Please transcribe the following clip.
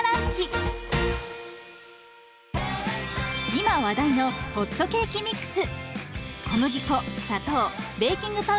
今話題のホットケーキミックス。